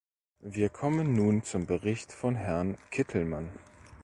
Wir kommen nun zum Bericht von Herrn Kittelmann.